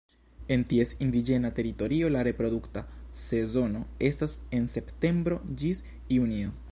En ties indiĝena teritorio la reprodukta sezono estas el septembro ĝis junio.